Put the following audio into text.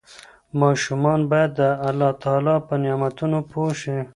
ماشومان باید د الله تعالی په نعمتونو پوه شي.